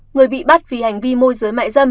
người bị bắt vì hành vi môi giới mại dâm